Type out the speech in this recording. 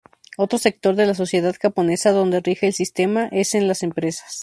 Otro sector de la sociedad japonesa donde rige el sistema es en las empresas.